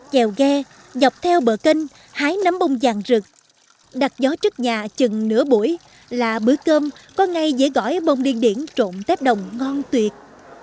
chèo ghe dọc theo bờ kênh hái nấm bông vàng rực đặt gió trước nhà chừng nửa buổi là bữa cơm có ngay dễ gỏi bông điên điển trộn tép đồng ngon tuyệt